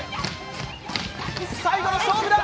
最後の勝負だ！